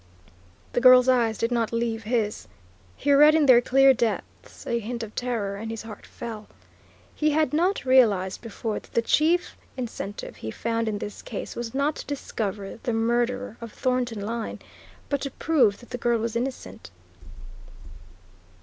The girl's eyes did not leave his. He read in their clear depths a hint of terror and his heart fell. He had not realised before that the chief incentive he found in this case was not to discover the murderer of Thornton Lyne, but to prove that the girl was innocent.